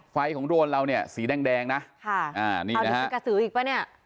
ไฟล์ของโดรนเราเนี่ยสีแดงนะเอาดูสิกสืออีกป่ะเนี่ย